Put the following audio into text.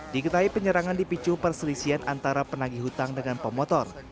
diketahui penyerangan di picu perselisian antara penagih utang dengan pemotor